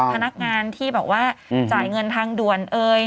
พนักงานที่บอกว่าจ่ายเงินทางด่วน